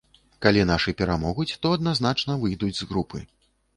Калі нашы перамогуць, то адназначна выйдуць з групы.